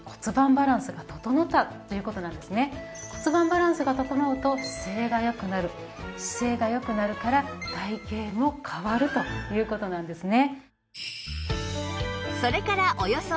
骨盤バランスが整うと姿勢が良くなる姿勢が良くなるから体形も変わるという事なんですね。